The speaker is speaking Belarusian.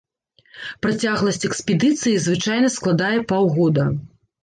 Працягласць экспедыцыі звычайна складае паўгода.